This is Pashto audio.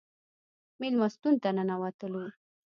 مېلمستون ته ننوتلو.